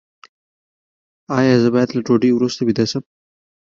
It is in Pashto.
ایا زه باید له ډوډۍ وروسته ویده شم؟